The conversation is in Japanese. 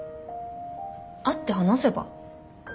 会って話せば？